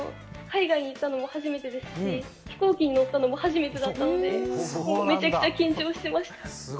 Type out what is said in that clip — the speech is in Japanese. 海外に行ったのも初めてですし、飛行機に乗ったのも初めてだったので、めちゃくちゃ緊張してました。